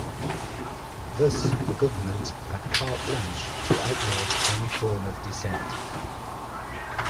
Thus the government had "carte blanche" to outlaw any form of dissent.